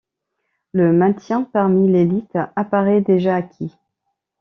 Le maintien parmi l'élite apparait déjà acquis.